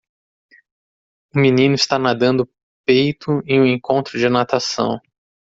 Um menino está nadando peito em um encontro de natação.